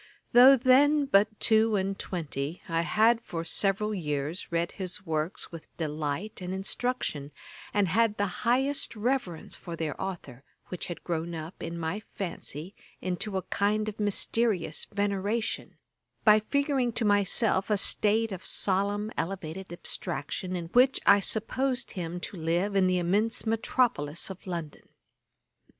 Though then but two and twenty, I had for several years read his works with delight and instruction, and had the highest reverence for their authour, which had grown up in my fancy into a kind of mysterious veneration, by figuring to myself a state of solemn elevated abstraction, in which I supposed him to live in the immense metropolis of London.